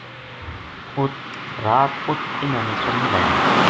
رات اُت اِنھاں نے تمو لایا